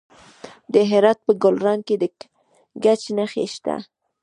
د هرات په ګلران کې د ګچ نښې شته.